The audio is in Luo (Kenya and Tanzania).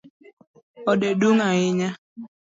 Ode dung ahinya.